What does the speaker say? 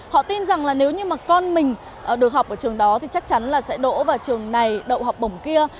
họ tin rằng là nếu như mà con mình được học ở trường đó thì chắc chắn là sẽ đổ vào trường này đậu học bổng kia